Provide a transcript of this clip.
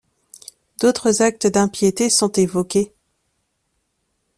D'autres actes d'impiété sont évoqués.